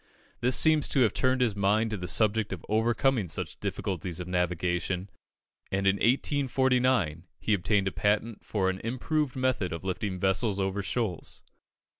This seems to have turned his mind to the subject of overcoming such difficulties of navigation, and in 1849 he obtained a patent for "an improved method of lifting vessels over shoals."